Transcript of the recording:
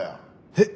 えっ！？